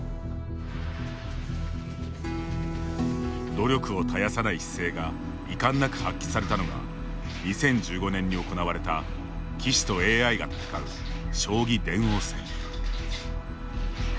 努力を絶やさない姿勢が遺憾なく発揮されたのが２０１５年に行われた棋士とＡＩが戦う将棋電王戦。